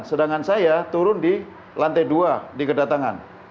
sedangkan saya turun di lantai dua di kedatangan